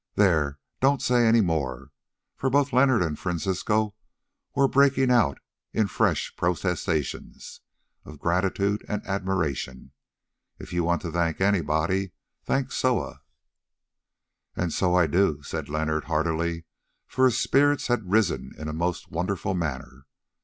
There, don't say any more"—for both Leonard and Francisco were breaking out into fresh protestations of gratitude and admiration; "if you want to thank anybody, thank Soa!" "And so I do," said Leonard heartily, for his spirits had risen in a most wonderful manner.